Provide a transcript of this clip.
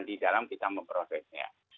di dalam kita memprosesnya